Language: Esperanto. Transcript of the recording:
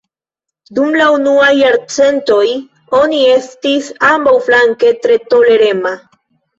Dum la unuaj jarcentoj oni estis ambaŭflanke tre tolerema.